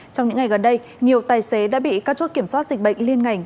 trong những ngày gần đây nhiều tài xế đã bị các chốt kiểm soát dịch bệnh liên ngành